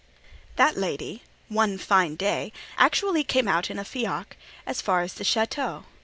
That lady—one fine day—actually came out in a fiacre as far as the château.